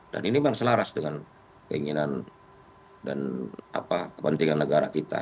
dan ini memang selaras dengan keinginan dan kepentingan negara kita